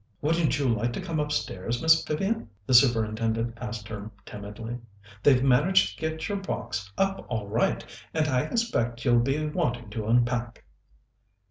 "Wouldn't you like to come upstairs, Miss Vivian?" the Superintendent asked her timidly. "They've managed to get your box up all right, and I expect you'll be wanting to unpack."